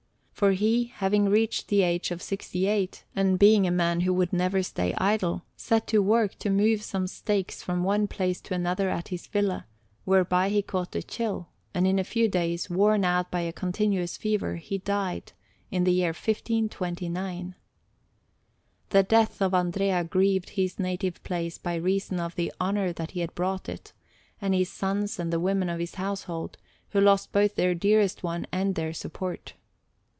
For he, having reached the age of sixty eight, and being a man who would never stay idle, set to work to move some stakes from one place to another at his villa, whereby he caught a chill; and in a few days, worn out by a continuous fever, he died, in the year 1529. The death of Andrea grieved his native place by reason of the honour that he had brought it, and his sons and the women of his household, who lost both their dearest one and their support.